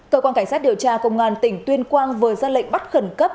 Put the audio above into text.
cơ quan cảnh sát điều tra công an tỉnh tuyên quang vừa ra lệnh bắt khẩn cấp